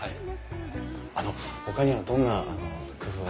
あのほかにはどんな工夫を。